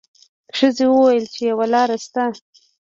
ښځې وویل چې یوه لار شته.